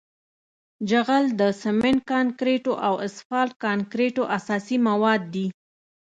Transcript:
جغل د سمنټ کانکریټو او اسفالټ کانکریټو اساسي مواد دي